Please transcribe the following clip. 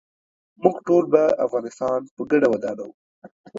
موږ ټول به افغانستان په ګډه ودانوو.